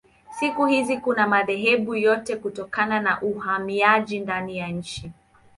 Siku hizi kuna madhehebu yote kutokana na uhamiaji ndani ya nchi.